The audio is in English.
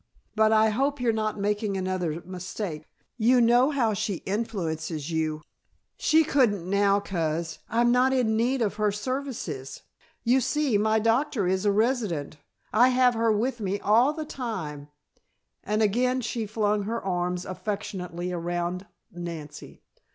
But I hope you're not making another mistake; you know how she influences you." "She couldn't now, Coz. I'm not in need of her services. You see, my doctor is a resident. I have her with me all the time," and again she flung her arms affectionately around Nancy.